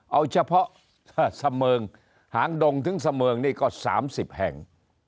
เอาเฉพาะเสมิงหางดงถึงเสมิงนี่ก็๓๐แห่ง